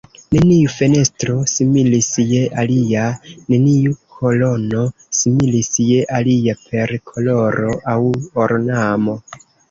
Neniu fenestro similis je alia, neniu kolono similis je alia per koloro aŭ ornamo.